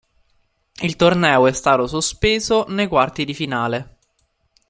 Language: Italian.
Il torneo è stato sospeso nei quarti di finale.